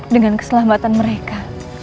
dengan keselamatan mereka